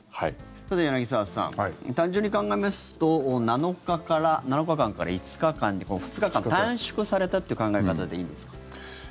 さて、柳澤さん単純に考えますと７日間から５日間に２日間短縮されたという考え方でいいんですか？